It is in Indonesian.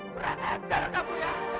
kurang ajar kamu ya